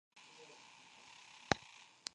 Por Ordenanza No.